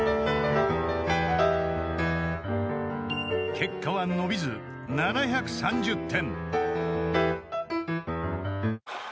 ［結果は伸びず７３０点］